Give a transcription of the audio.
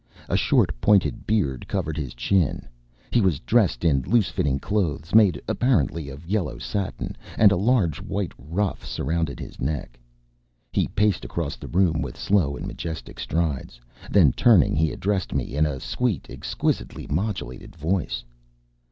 A short pointed beard covered his chin. He was dressed in loose fitting clothes, made apparently of yellow satin, and a large white ruff surrounded his neck. He paced across the room with slow and majestic strides. Then turning, he addressed me in a sweet, exquisitely modulated voice.